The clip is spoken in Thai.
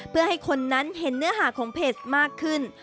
เพื่อให้คนนั้นเห็นเนื้อหาของเพจมากขึ้น